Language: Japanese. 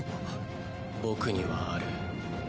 僕にはある。